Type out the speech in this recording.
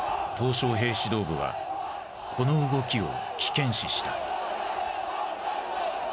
小平指導部はこの動きを危険視した。